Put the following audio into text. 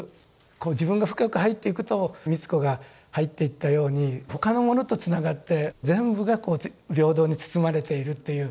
こう自分が深く入っていくと美津子が入っていったように他の者とつながって全部がこう平等に包まれているという。